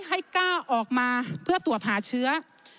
ให้กล้าออกมาเพื่อตรวจหาเชื้อ